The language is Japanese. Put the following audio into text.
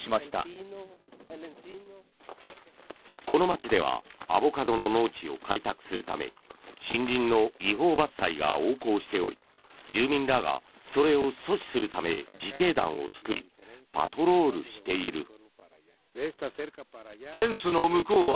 この街ではアボカドの農地を開拓するため森林の違法伐採が横行しており住民らがそれを阻止するため自警団を作りパトロールしている。